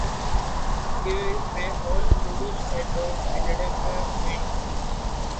They were all produced at the Philadelphia Mint.